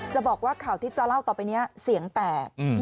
จะบอกว่าข่าวที่จะเล่าต่อไปนี้เสียงแตก